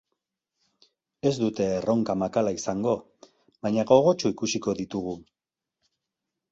Ez dute erronka makala izango, baina gogotsu ikusiko ditugu.